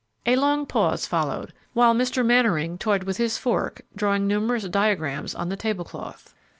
A long pause followed, while Mr. Mannering toyed with his fork, drawing numerous diagrams on the table cloth.